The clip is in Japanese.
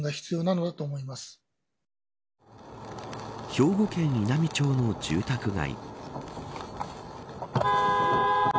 兵庫県稲美町の住宅街。